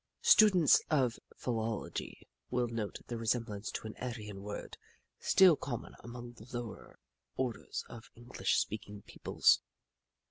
Students of philology will note the resemblance to an Aryan word still common among the lower orders of Eng lish speaking peoples.